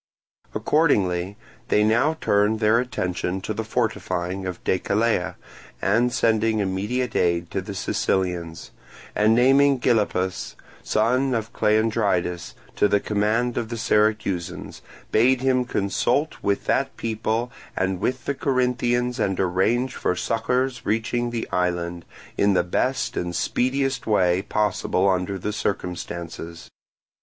Accordingly they now turned their attention to the fortifying of Decelea and sending immediate aid to the Sicilians; and naming Gylippus, son of Cleandridas, to the command of the Syracusans, bade him consult with that people and with the Corinthians and arrange for succours reaching the island, in the best and speediest way possible under the circumstances.